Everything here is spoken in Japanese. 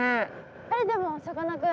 えでもさかなクン。